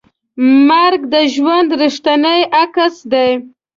مرګ د ژوند ریښتینی عکس دی.